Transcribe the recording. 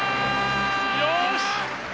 よし！